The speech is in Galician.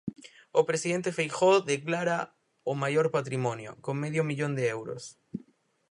O presidente Feijóo declara o maior patrimonio, con medio millóns de euros.